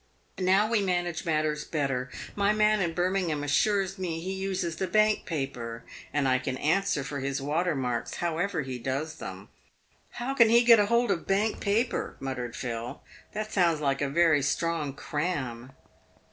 Now we manage matters better. My man in Birmingham assures me he uses the Bank paper, and I can answer for his water marks, however he does them." "How can he get hold of Bank paper?" muttered Phil. "That sounds like a very strong cram."